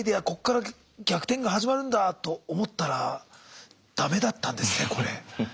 こっから逆転が始まるんだと思ったらだめだったんですねこれ。